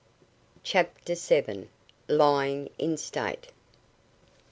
CHAPTER SEVEN. LYING IN STATE.